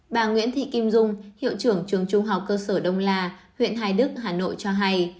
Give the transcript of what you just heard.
bà nguyễn thị kim dung hiệu trưởng trường trung học cơ sở đông là huyện hoài đức hà nội cho hay